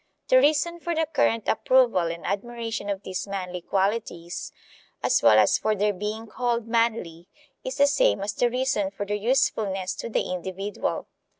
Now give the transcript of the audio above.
The reason for the current approval and admiration of these manly qualities, as well as for their being called manly, is the same as the reason for their usefulness to the individual.